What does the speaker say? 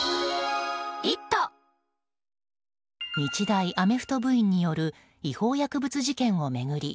日大アメフト部員による違法薬物事件を巡り